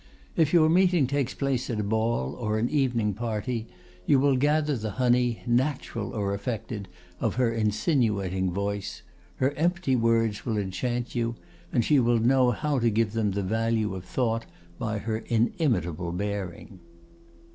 If your meeting takes place at a ball or an evening party, you will gather the honey, natural or affected of her insinuating voice; her empty words will enchant you, and she will know how to give them the value of thought by her inimitable bearing."